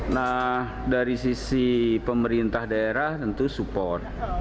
nah dari sisi pemerintah daerah tentu support